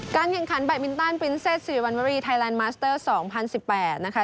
แข่งขันแบบมินตันปรินเซตสิริวัณวรีไทยแลนดมาสเตอร์๒๐๑๘นะคะ